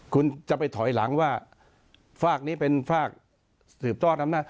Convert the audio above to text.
คุณจะไปถอยหลังว่าฝากนี้เป็นฝากสืบทอดอำนาจ